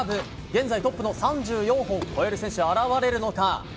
現在、トップの３４本を超える選手は現れるのか。